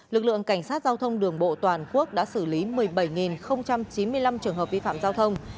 lực lượng cảnh sát giao thông đường bộ toàn quốc đã xử lý một mươi bảy chín mươi năm trường hợp vi phạm giao thông